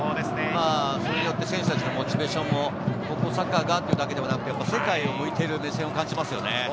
それによって選手たちのモチベーションもサッカーだけではなく、世界が見てる目線を感じますよね。